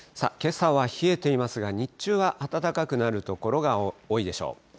けさは冷えていますが、日中は暖かくなる所が多いでしょう。